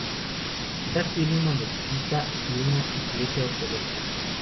La ciudad tiene una mezquita y una iglesia ortodoxa.